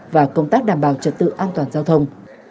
và công tác đảm bảo trật tự an toàn giao thông